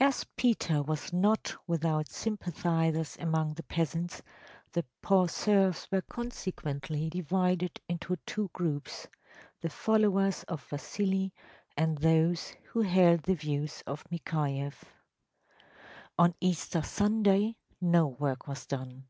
‚ÄĚ As Peter was not without sympathizers among the peasants, the poor serfs were consequently divided into two groups: the followers of Vasili and those who held the views of Mikhayeff. On Easter Sunday no work was done.